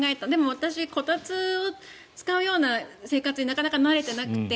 私、こたつを使うような生活になかなか慣れていなくて。